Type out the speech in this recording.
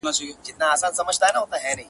په ډکي هدیرې دي نن سبا په کرنتین کي!.